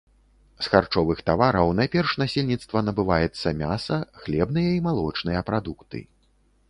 З харчовых тавараў найперш насельніцтва набываецца мяса, хлебныя і малочныя прадукты.